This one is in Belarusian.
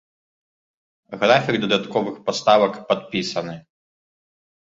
Графік дадатковых паставак падпісаны.